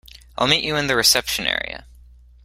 I'll meet you in the reception area.